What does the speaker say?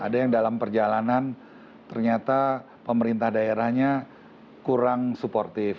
ada yang dalam perjalanan ternyata pemerintah daerahnya kurang suportif